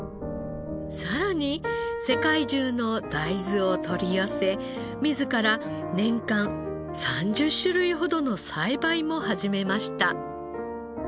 さらに世界中の大豆を取り寄せ自ら年間３０種類ほどの栽培も始めました。